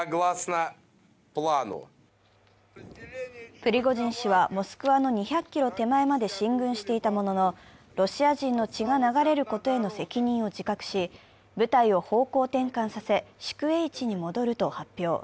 プリゴジン氏はモスクワの２００ｋｍ手前まで進軍していたもののロシア人の血が流れることへの責任を自覚し、部隊を方向転換させ、宿営地に戻ると発表。